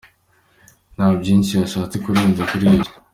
Nta byinshi yashatse kurenza kuri ibyo.